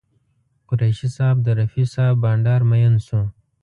قریشي صاحب د رفیع صاحب بانډار مین شو.